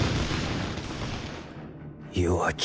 弱き